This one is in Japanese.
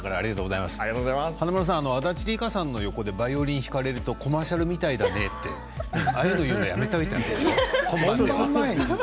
華丸さん足立梨花さんの横でバイオリン弾かれるとコマーシャルみたいだねってああいうこと言うのやめたほうがいいよ。